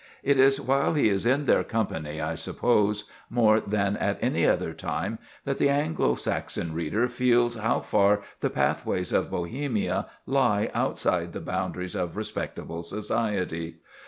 It is while he is in their company, I suppose, more than at any other time, that the Anglo Saxon reader feels how far the pathways of Bohemia lie outside the boundaries of respectable society.